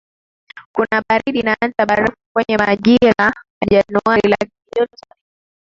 kuna baridi na hata barafu kwenye majira ya Januari lakini joto ni